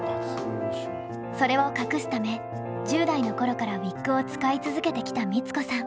それを隠すため１０代の頃からウィッグを使い続けてきた光子さん。